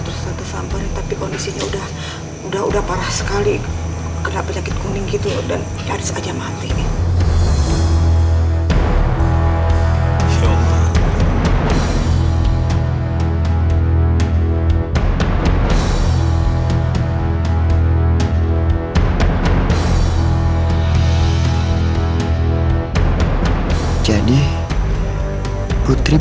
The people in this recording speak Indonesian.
kondisinya udah udah udah parah sekali